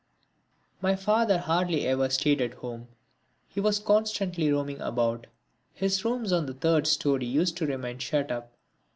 My father hardly ever stayed at home, he was constantly roaming about. His rooms on the third storey used to remain shut up.